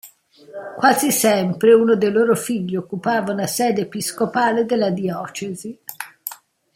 Quasi sempre uno dei loro figli occupava una sede episcopale della diocesi.